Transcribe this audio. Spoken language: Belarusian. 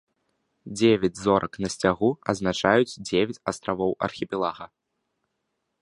Дзевяць зорак на сцягу азначаюць дзевяць астравоў архіпелага.